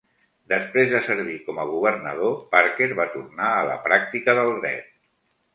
Després de servir com a governador, Parker va tornar a la pràctica del dret.